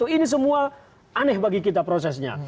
ini semua aneh bagi kita prosesnya